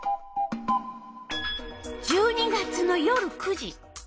１２月の夜９時。